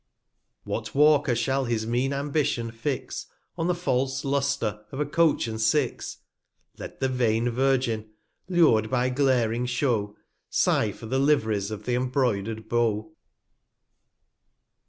What Walker shall his mean Ambition fix, On the false Lustre of a Coach and Six ? Let the vain Virgin, lur'd by glaring Show, Sigh for the Liv'rys of th' embroider'd Beau.